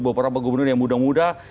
bapak bapak gubernur yang muda muda